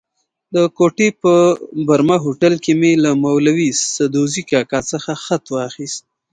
د کوټې په برمه هوټل کې مې له مولوي سدوزي کاکا څخه خط واخیست.